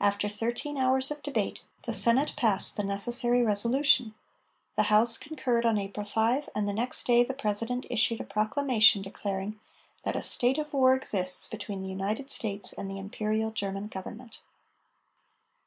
After thirteen hours of debate, the Senate passed the necessary resolution; the House concurred on April 5, and the next day the President issued a proclamation declaring that "a state of war exists between the United States and the Imperial German Government."